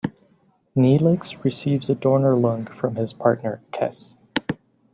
Neelix receives a donor lung from his partner, Kes.